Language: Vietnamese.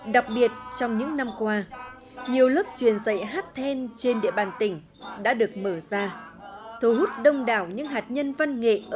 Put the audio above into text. đặc biệt trong những năm qua nhiều lớp truyền dạy hát then trên địa bàn tỉnh đã được mở ra thú hút đông đảo những hạt nhân văn nghệ ở cơ sở trực tiếp tham gia